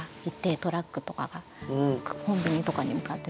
トラックとかがコンビニとかに向かって。